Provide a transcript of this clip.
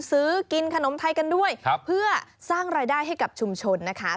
ซื้อกินขนมไทยกันด้วยเพื่อสร้างรายได้ให้กับชุมชนนะคะ